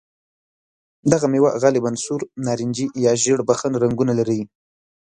دغه مېوه غالباً سور، نارنجي یا ژېړ بخن رنګونه لري.